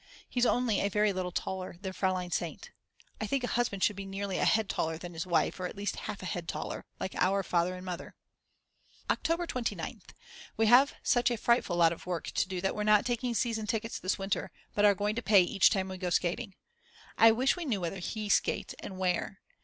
He's only a very little taller than Frl. St. I think a husband should be nearly a head taller than his wife, or at least half a head taller, like our Father and Mother. October 29th. We have such a frightful lot of work to do that we're not taking season tickets this winter, but are going to pay each time when we go skating. I wish we knew whether He skates, and where.